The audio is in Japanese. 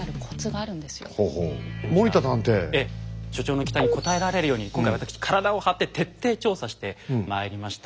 所長の期待に応えられるように今回私体を張って徹底調査してまいりました。